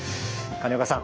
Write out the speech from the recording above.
金岡さん